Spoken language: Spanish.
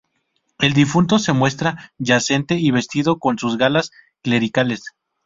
El difunto se muestra yacente y vestido con sus galas clericales.